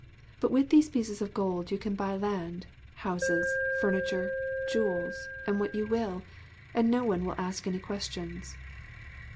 But with these pieces of gold you can buy land, houses, furniture, jewels what you will and no one will ask any questions.'